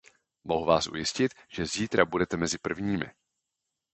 Mohu vás ujistit, že zítra budete mezi prvními.